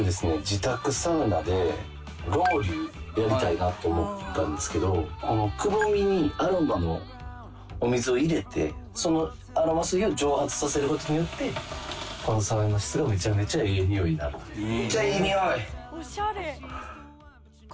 自宅サウナでロウリュやりたいなと思ったんですけどこのくぼみにアロマのお水を入れてそのアロマ水を蒸発させることによってこのサウナ室がめちゃめちゃええ匂いになるという。